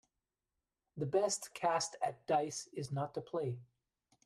The best cast at dice is not to play.